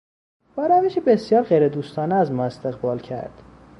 با روشی بسیار غیردوستانه از ما استقبال کرد.